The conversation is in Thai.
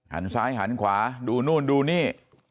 หันซ้ายหันขวาดูนู่นดูนี่